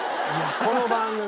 この番組。